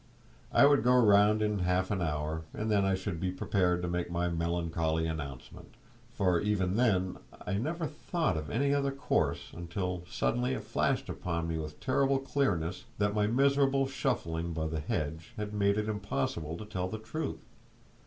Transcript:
I would go round in half an hour, and then I should be prepared to make my melancholy announcement. For, even then, I never thought of any other course, until suddenly it flashed upon me with terrible clearness that my miserable shuffling by the hedge had made it impossible to tell the truth!